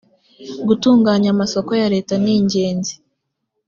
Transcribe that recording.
gutunganya amasoko ya leta ningenzi